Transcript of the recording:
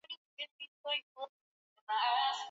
Mkoa wa Tanga upande wa mashariki